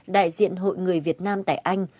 đại diện hội người việt nam tại anh